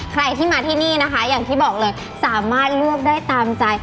ใครที่มาที่นี่นะคะอย่างที่บอกเลยสามารถเลือกได้ตามใจ